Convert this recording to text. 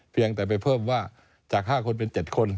เพียงแต่ไปเพิ่มว่าจาก๕คนเป็น๗คน